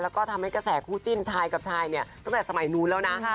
แล้วก็ทำให้กระแสคู่จิ้นชายกับชายเนี่ยตั้งแต่สมัยนู้นแล้วนะ